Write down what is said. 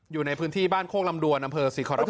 อยู่ในพื้นที่บ้านโคกลำดวนอำเภอศรีขอรกรรม